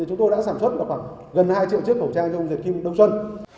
chúng tôi đã sản xuất gần hai triệu chiếc khẩu trang cho ông diệt kim đông xuân